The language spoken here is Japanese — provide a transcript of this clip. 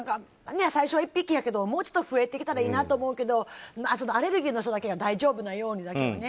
最初は１匹やけどもうちょっと増えてきたらいいなと思うけどアレルギーの人が大丈夫なようにね。